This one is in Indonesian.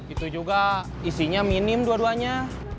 itu juga isinya minim dua duanya